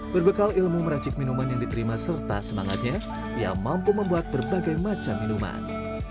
berbekal ilmu meracik minuman yang diterima serta semangatnya ia mampu membuat berbagai macam minuman